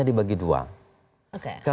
jadi dia tidak bisa memperbaiki peraturan